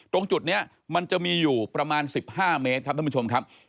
ตรงจุดนี้มันจะมีอยู่ประมาณ๑๕เมตรครับท่านผู้ชมครับ